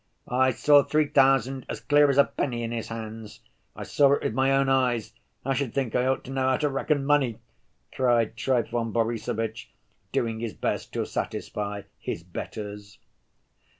"I saw three thousand as clear as a penny in his hands, I saw it with my own eyes; I should think I ought to know how to reckon money," cried Trifon Borissovitch, doing his best to satisfy "his betters."